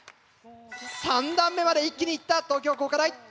３段目まで一気にいった東京工科大。